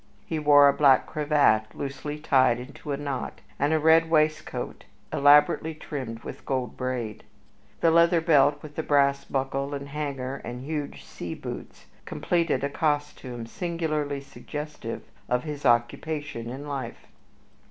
He wore a black cravat, loosely tied into a knot, and a red waistcoat elaborately trimmed with gold braid; a leather belt with a brass buckle and hanger, and huge sea boots completed a costume singularly suggestive of his occupation in life.